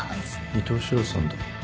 伊東四朗さんだ。